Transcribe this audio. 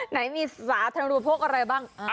อ๋อไหนมีสาธารณูปพวกอะไรบ้าง